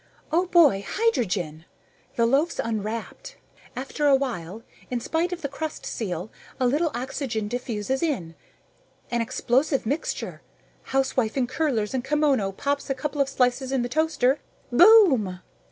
"Oh, boy hydrogen! The loaf's unwrapped. After a while, in spite of the crust seal, a little oxygen diffuses in. An explosive mixture. Housewife in curlers and kimono pops a couple slices in the toaster. Boom!"